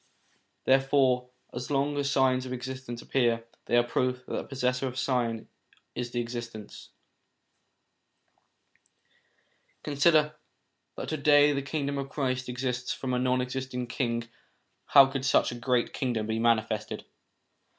Therefore as long as signs of existence 262 SOME ANSWERED QUESTIONS appear, they are a proof that the possessor of the sign is existent. Consider that to day the Kingdom of Christ exists : from a non existing king how could such a great kingdom be manifested?